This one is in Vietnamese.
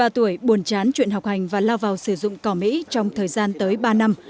ba mươi tuổi buồn chán chuyện học hành và lao vào sử dụng cỏ mỹ trong thời gian tới ba năm